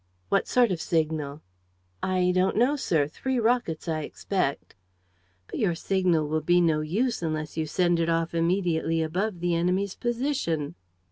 "What sort of signal?" "I don't know, sir. Three rockets, I expect." "But your signal will be no use unless you send it off immediately above the enemy's position."